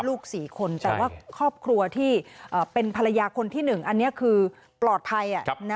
ลูก๔คนแต่ว่าครอบครัวที่เป็นภรรยาคนที่๑อันนี้คือปลอดภัย